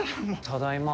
ただいま。